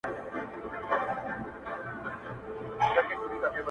زما اشنا خبري پټي ساتي،